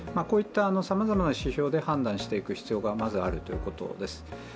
こういった、さまざまな指標で判断していく必要がまずあるということです。